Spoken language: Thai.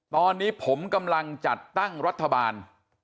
ตอนนี้ผมกำลังจัดตั้งรัฐบาล